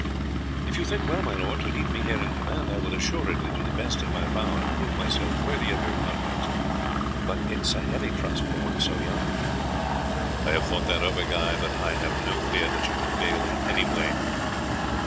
"If you think well, my lord, to leave me here in command I will assuredly do the best in my power to prove myself worthy of your confidence; but it is a heavy trust for one so young." "I have thought that over, Guy, but I have no fear that you will fail in any way.